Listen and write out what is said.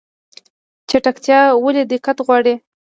چټکتیا ولې دقت غواړي؟